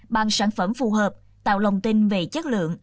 bằng sản phẩm phù hợp tạo lòng tin về chất lượng